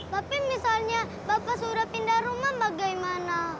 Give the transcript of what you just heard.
tapi misalnya bapak sudah pindah rumah bagaimana